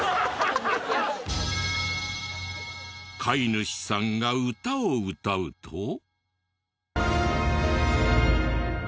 飼い主さんが歌を歌うと。